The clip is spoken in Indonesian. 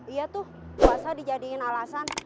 iya tuh puasa dijadiin alasan